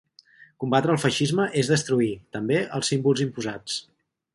Combatre el feixisme és destruir, també, els símbols imposats.